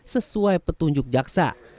sesuai petunjuk jaksa